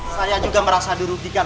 saya juga merasa dirugikan